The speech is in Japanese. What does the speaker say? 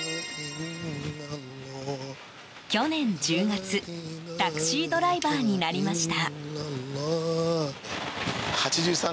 去年１０月タクシードライバーになりました。